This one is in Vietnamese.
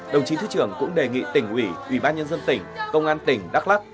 đồng chí thứ trưởng cũng đề nghị tỉnh ủy ủy ban nhân dân tỉnh công an tỉnh đắk lắc